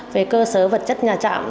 về cơ sở vật chất nhà trạm